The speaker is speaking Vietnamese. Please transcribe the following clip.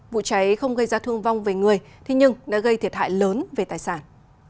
vụ cháy không gây ra thương vong về người thế nhưng đã gây thiệt hại lớn về tài sản